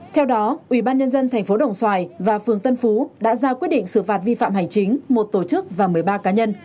theo đó ủy ban nhân dân thành phố đồng xoài và phường tân phú đã ra quyết định xử phạt vi phạm hành chính một tổ chức và một mươi ba cá nhân